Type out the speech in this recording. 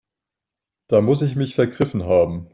Da muss ich mich vergriffen haben.